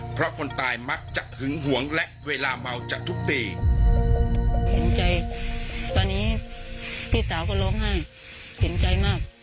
เพราะคนตายมักจะหึงหวงและเวลาเมาจะทุกตี